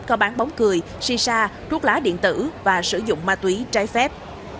có bán bóng cười si sa thuốc lá điện tử và sử dụng ma túy trái phép